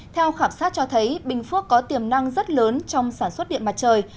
theo khảo sát cho thấy bình phước có tiềm năng rất lớn trong sản xuất điện mặt trời